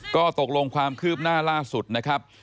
ก็ตกลงความคืบหน้าล่าสุดนะครับ